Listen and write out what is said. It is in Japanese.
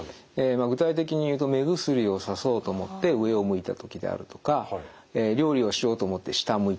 具体的に言うと目薬をさそうと思って上を向いたときであるとか料理をしようと思って下を向いたときとかですね